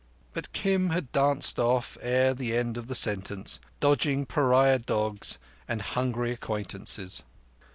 But Kim had danced off ere the end of the sentence, dodging pariah dogs and hungry acquaintances.